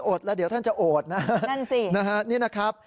โอดแล้วเดี๋ยวจะโอดนะ